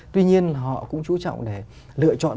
tuy nhiên họ cũng chú trọng để lựa chọn